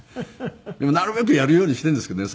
でもなるべくやるようにしてるんですけどね